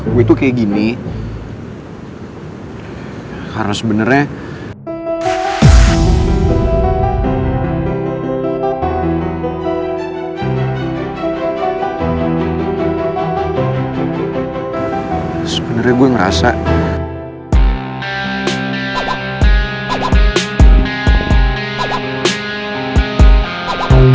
gue tuh kayak gini karena sebenernya